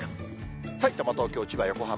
さいたま、東京、千葉、横浜。